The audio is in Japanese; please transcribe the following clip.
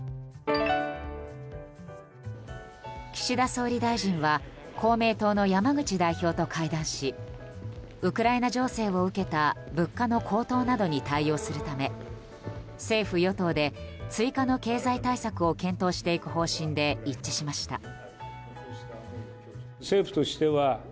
岸田総理大臣は公明党の山口代表と会談しウクライナ情勢を受けた物価の高騰などに対応するため政府・与党で追加の経済対策を検討していく方針で一致しました。